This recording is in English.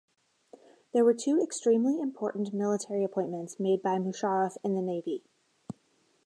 There were two extremely important military appointments made by Musharraf in the Navy.